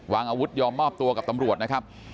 อาวุธยอมมอบตัวกับตำรวจนะครับ